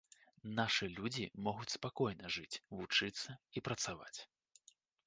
Нашы людзі могуць спакойна жыць, вучыцца і працаваць.